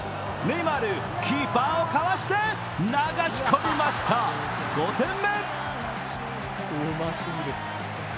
ネイマール、キーパーをかわして流し込みました、５点目。